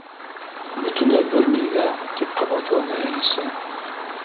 —Бөтөнләй бер ни ҙә, —тип ҡабатланы Әлисә.